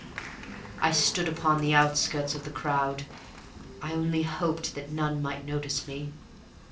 I stood upon the outskirts of the crowd, I only hoped that none might notice me.